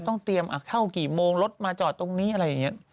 ต้องเตรียมเข้ากี่โมงรถมาจอดตรงนี้อะไรอย่างนี้